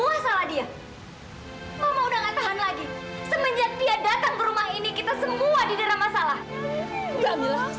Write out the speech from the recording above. kalau dia pergi bukan salah mama dong